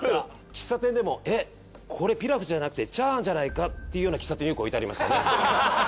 喫茶店でもえっこれピラフじゃなくてチャーハンじゃないかっていうような喫茶店によく置いてありましたね。